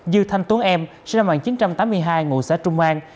như thanh tuấn em sinh năm một nghìn chín trăm tám mươi hai ngụ xã trung an